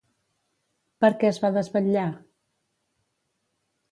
Per què es va desvetllar?